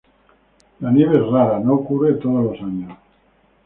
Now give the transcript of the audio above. La nieve es rara, no ocurre todos los años.